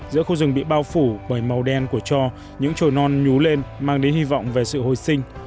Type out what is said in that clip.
giữa khu rừng bị bao phủ bởi màu đen của cho những trồi non nhú lên mang đến hy vọng về sự hồi sinh